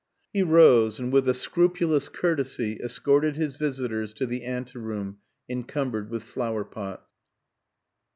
He rose and with a scrupulous courtesy escorted his visitors to the ante room encumbered with flower pots.